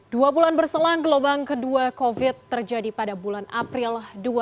dua bulan berselang gelombang kedua covid terjadi pada bulan april dua ribu dua puluh